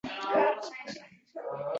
Erkakning haykali turardi yana